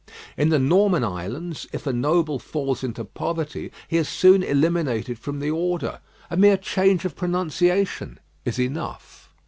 In the Norman islands, if a noble falls into poverty, he is soon eliminated from the order. A mere change of pronunciation is enough.